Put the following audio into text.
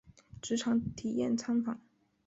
职场体验参访